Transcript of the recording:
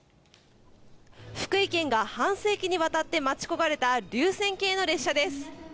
福井県が半世紀にわたって待ち焦がれた流線型の列車です。